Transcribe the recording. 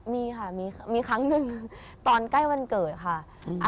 มีค่ะมีครั้งหนึ่งตอนใกล้วันเกิดค่ะ